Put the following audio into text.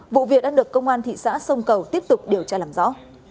vụ việc đã được công an thị xã sông cầu tiếp tục điều tra làm rõ